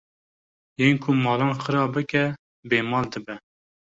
Yên ku malan xera bike bê mal dibe